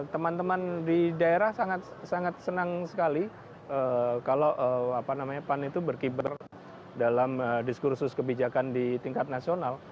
teman teman di daerah sangat senang sekali kalau pan itu berkibar dalam diskursus kebijakan di tingkat nasional